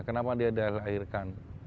kenapa dia dilahirkan